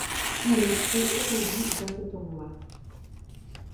Il inscrit aucun but dans ce tournoi.